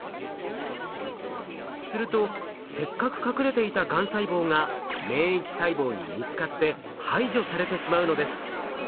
するとせっかく隠れていたがん細胞が免疫細胞に見つかって排除されてしまうのです。